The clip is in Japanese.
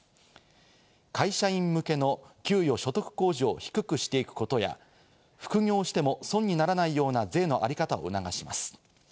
会社員向けの給与所得控除を低くしていくことや副業をしても損にならないような税の在り方を促します。